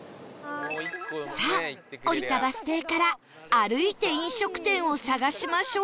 さあ降りたバス停から歩いて飲食店を探しましょう